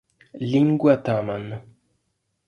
Lingua taman